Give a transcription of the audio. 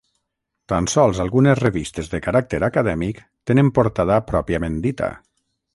Tan sols algunes revistes de caràcter acadèmic tenen portada pròpiament dita.